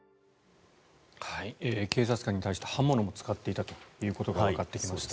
警察官に対して刃物も使っていたということもわかってきました。